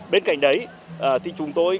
bên cạnh đấy thì chúng tôi